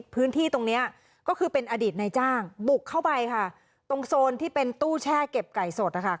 พื้นที่ตรงนี้ก็คือเป็นอดีตนายจ้างบุกเข้าไปค่ะตรงโซนที่เป็นตู้แช่เก็บไก่สดนะคะ